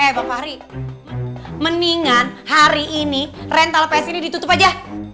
eh bapak hari mendingan hari ini rental ps ini ditutup aja